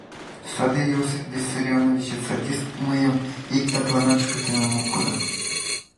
Саде Иосиф Виссарионовичет, садист, мыйым ик татланат шкетемым ок кодо.